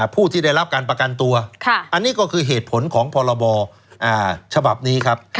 ผู้ที่ได้รับการประกันตัวอันนี้ก็คือเหตุผลของพรบฉบับนี้ครับ